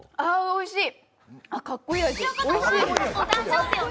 おいしい。